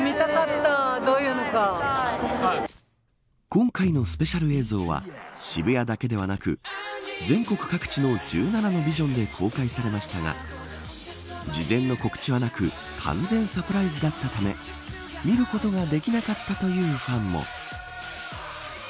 今回のスペシャル映像は渋谷だけではなく全国各地の１７のビジョンで公開されましたが事前の告知はなく完全サプライズだったため見ることができなかったというファンも。